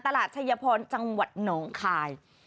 ตลาดชายพรจังหวัดหนองขาย